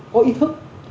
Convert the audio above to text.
có ý thức